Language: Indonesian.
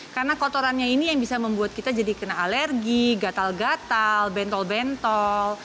karena kotorannya ini yang bisa membuat kita jadi kena alergi gatal gatal bentol bentol